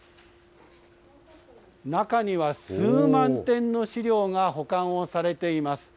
中には数万点の資料が保管をされています。